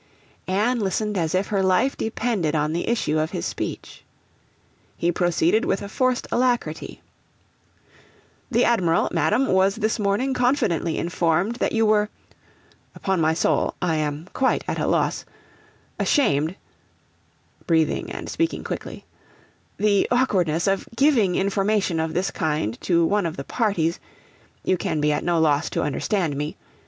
Anne listened as if her life depended on the issue of his speech. He proceeded with a forced alacrity: 'The Admiral, Madam, was this morning confidently informed that you were upon my soul, I am quite at a loss, ashamed (breathing and speaking quickly) the awkwardness of giving information of this kind to one of the parties you can be at no loss to understand me.